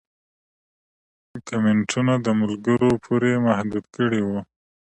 کمنټونه د ملګرو پورې محدود کړي وو